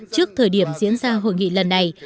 trước thời điểm diễn ra hội nghị lần này